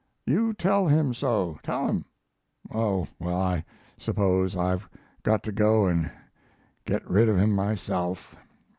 You tell him so tell him oh, well, I suppose I've got to go and get rid of him myself.